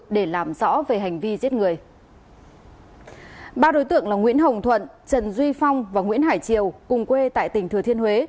ba đối tượng là nguyễn hồng thuận trần duy phong và nguyễn hải triều cùng quê tại tỉnh thừa thiên huế